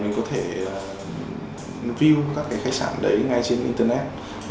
mình có thể view các cái khách sạn đấy ngay trên internet